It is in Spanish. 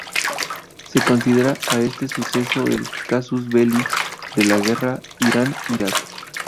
Se considera a este suceso el "casus belli" de la Guerra Irán-Irak.